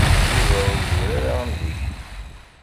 Yuba ur zur ara am zik.